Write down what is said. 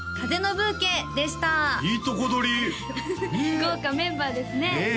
豪華メンバーですねねえ